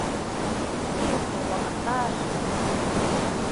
- Их, ул ваҡыттар!..